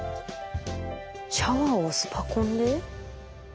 シャワーをスパコンで？